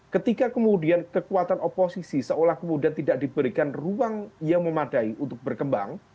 ketika kemudian kekuatan oposisi seolah kemudian tidak diberikan ruang yang memadai untuk berkembang